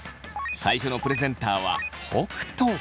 最初のプレゼンターは北斗。